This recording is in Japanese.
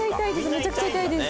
めちゃくちゃ痛いです。